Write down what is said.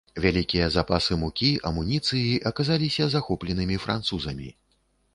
Вялікія запасы мукі, амуніцыі аказаліся захопленымі французамі.